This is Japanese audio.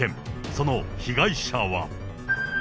その被害者は。